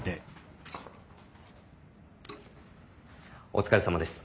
お疲れさまです。